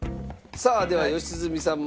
さあでは良純さん